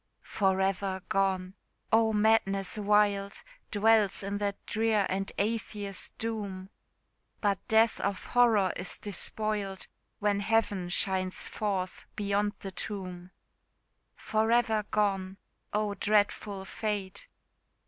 For ever gone! oh, madness wild Dwells in that drear and Atheist doom! But death of horror is despoiled, When Heaven shines forth beyond the tomb. For ever gone! oh, dreadful fate!